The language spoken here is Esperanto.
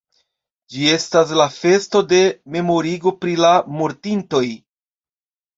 Ĝi estas la festo de memorigo pri la mortintoj.